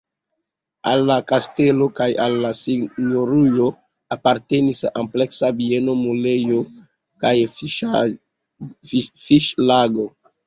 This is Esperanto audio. Al la kastelo kaj al la sinjorujo apartenis ampleksa bieno, muelejo kaj fiŝlago.